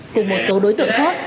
cùng một số đối tượng khác